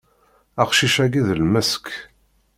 Aqcic-agi d lmesk.